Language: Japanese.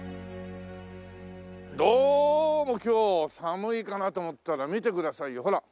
どうも今日寒いかなと思ったら見てくださいよほら。